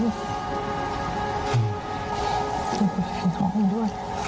แล้วก็เป็นของมันด้วย